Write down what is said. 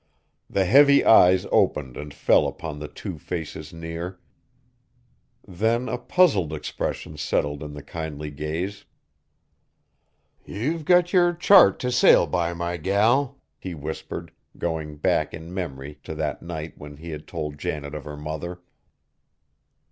The heavy eyes opened and fell upon the two faces near. Then a puzzled expression settled in the kindly gaze. "Ye've got yer chart t' sail by, my gal," he whispered, going back in memory to that night when he had told Janet of her mother.